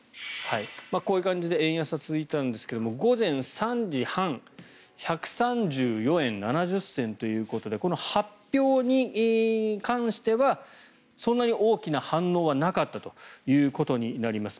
こういう感じで円安が続いていたんですが午前３時半１３４円７０銭ということでこの発表に関してはそんなに大きな反応はなかったということになります。